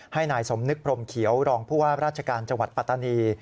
ให้นายสมนึกพรมเขียวรองผู้ว่าราชการจังหวัดปัตตานี